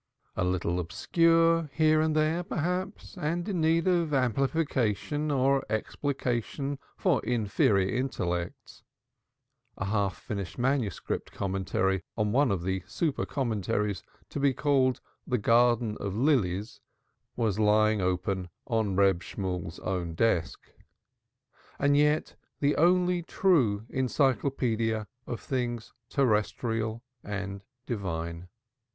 A little obscure here and there, perhaps, and in need of amplification or explication for inferior intellects a half finished manuscript commentary on one of the super commentaries, to be called "The Garden of Lilies," was lying open on Reb Shemuel's own desk but yet the only true encyclopaedia of things terrestrial and divine.